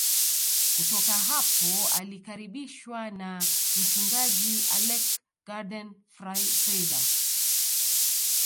Kutoka hapo alikaribishwa na mchungaji Alec Garden Fraser